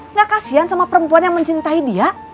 gak kasihan sama perempuan yang mencintai dia